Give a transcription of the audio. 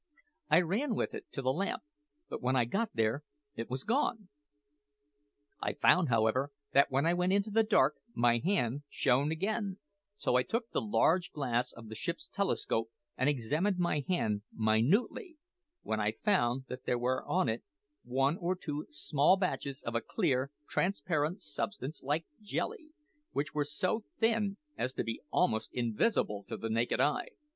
I ran with it to the lamp, but when I got there it was gone. I found, however, that when I went into the dark my hand shone again; so I took the large glass of the ship's telescope and examined my hand minutely, when I found that there were on it one or two small patches of a clear, transparent substance like jelly, which were so thin as to be almost invisible to the naked eye.